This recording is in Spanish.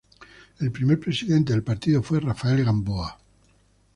El primer presidente del partido fue Rafael Gamboa.